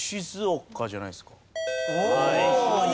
はい。